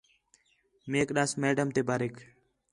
میک ݙَس میڈم تے باریک